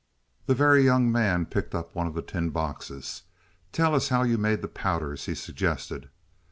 The Very Young Man picked up one of the tin boxes. "Tell us how you made the powders," he suggested.